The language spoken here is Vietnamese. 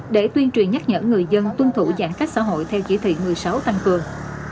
để tuyên truyền nhắc nhở người dân tuân thủ giãn cách xã hội theo chỉ thị một mươi sáu tăng cường